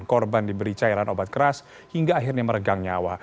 korban diberi cairan obat keras hingga akhirnya meregang nyawa